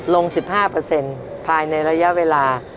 ลง๑๕ภายในระยะเวลา